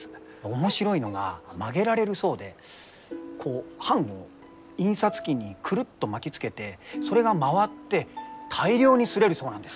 面白いのが曲げられるそうでこう版を印刷機にくるっと巻きつけてそれが回って大量に刷れるそうなんです。